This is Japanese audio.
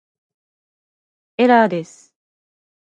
エラーです